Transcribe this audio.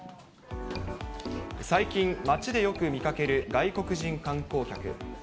最近、街でよく見かける外国人観光客。